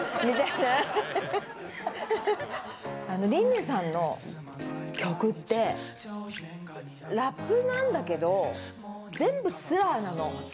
Ｒｉｎ音さんの曲ってラップなんだけど全部スラーなの。